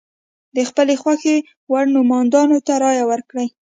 د خپل خوښې وړ نوماندانو ته رایه ورکړي.